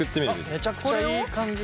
めちゃくちゃいい感じですね。